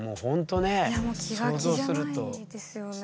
いやもう気が気じゃないですよね。